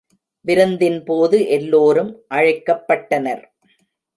விருந்தின் போது எல்லோரும் அழைக்கப் பட்டனர்.